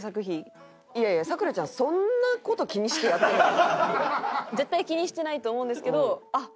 いやいや絶対気にしてないと思うんですけどあっ